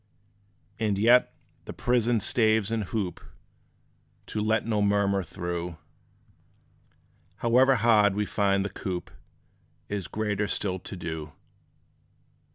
And yet, the prison staves and hoop To let no murmur through, However hard we find the coop, Is greater still to do.